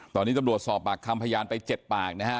ตอนนี้ตำรวจสอบปากคำพยานไป๗ปากนะฮะ